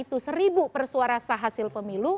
itu seribu persuarasa hasil pemilu